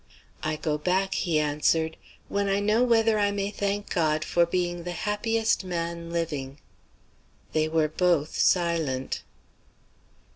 "I go back," he answered, "when I know whether I may thank God for being the happiest man living." They were both silent.